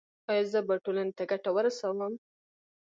ایا زه به ټولنې ته ګټه ورسوم؟